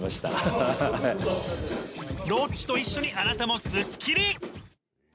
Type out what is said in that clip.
ロッチと一緒にあなたもすっきり。